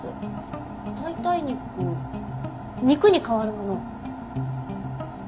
代替肉肉に代わるもの。